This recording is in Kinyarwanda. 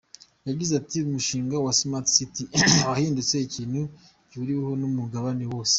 Yagize ati “Umushinga wa Smart City wahindutse ikintu gihuriweho n’umugabane wose.